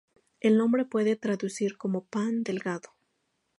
El nombre puede traducirse como "pan delgado".